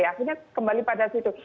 akhirnya kembali pada situ